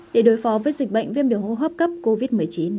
để đối phó với dịch bệnh viêm đường hô hấp cấp covid một mươi chín